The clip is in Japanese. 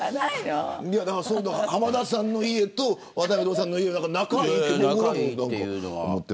浜田さんの家と渡辺さんの家仲がいいというのは。